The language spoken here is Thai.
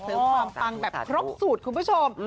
เสื้อความปังแบบทรกสุดคุณผู้ชม